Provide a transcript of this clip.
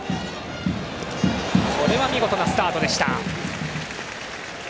これは見事なスタートでした。